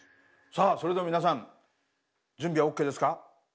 さあそれでは皆さん準備はＯＫですか？